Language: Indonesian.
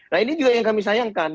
nah ini juga yang kami sayangkan